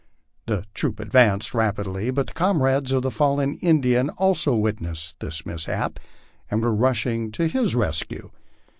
The troop advanced rapidly, but the comrades of the fallen Indian had also witnessed his mishap, and were rushing to his rescue.